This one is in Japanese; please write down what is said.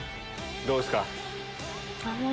どうですか？